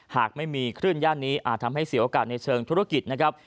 หากไม่มีคลื่นย่านนี้อาจทำให้เสียโอกาสในเชิงธุรกิจนะครับ